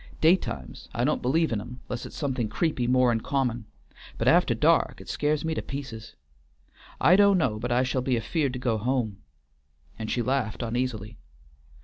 "Day times I don't believe in 'em 'less it's something creepy more'n common, but after dark it scares me to pieces. I do' know but I shall be afeared to go home," and she laughed uneasily.